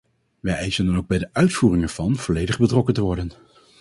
Wij eisen dan ook bij de uitvoering ervan volledig betrokken te worden.